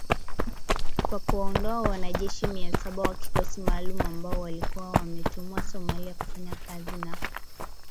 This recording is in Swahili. wa kuwaondoa wanajeshi mia saba wa kikosi maalum ambao walikuwa wametumwa Somalia kufanya kazi na